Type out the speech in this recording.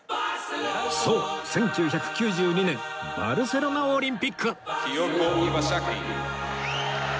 そう１９９２年バルセロナオリンピック「キョウコイワサキ」